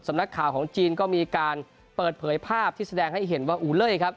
นักข่าวของจีนก็มีการเปิดเผยภาพที่แสดงให้เห็นว่าอูเล่ยครับ